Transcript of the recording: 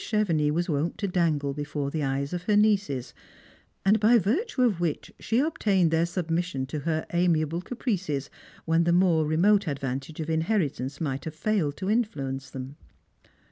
Chevenix was wont to dangle before the eyes of her nieces, and by virtue of which she obtained their submission to her amiable caprices when the more remote advantage of in heritance might have failed to influence them.